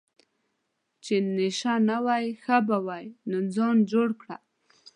چې نشه نه وای ښه به وو، نو ځان جوړ کړه.